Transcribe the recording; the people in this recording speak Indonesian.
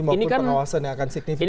maupun pengawasan yang akan signifikan